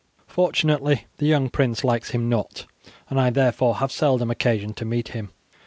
Fortunately the young prince likes him not, and I therefore have seldom occasion to meet him.